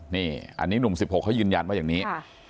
นี่อันนี้หนุ่ม๑๖เขายืนยันว่าอย่างนี้